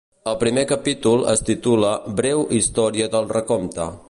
El primer capítol es titula "Breu història del recompte".